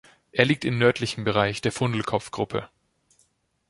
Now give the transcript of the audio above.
Er liegt in nördlichen Bereich der Fundelkopf-Gruppe.